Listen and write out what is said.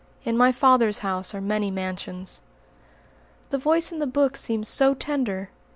In my Father's house are many mansions." The Voice in the Book seemed so tender!